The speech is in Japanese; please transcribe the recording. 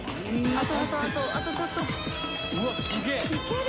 あとあとあとちょっといける？